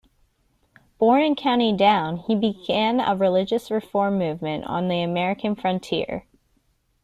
Born in County Down, he began a religious reform movement on the American frontier.